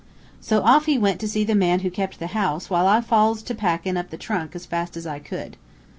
"So off he went to see the man who kept the house, while I falls to packin' up the trunk as fast as I could."